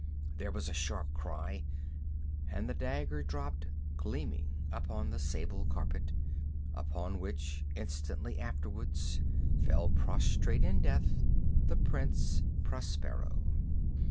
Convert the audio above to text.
There was a sharp cry—and the dagger dropped gleaming upon the sable carpet, upon which, instantly afterwards, fell prostrate in death the Prince Prospero.